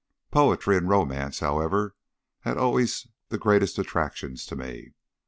Poetry and romance, however, had always the greatest attractions for me.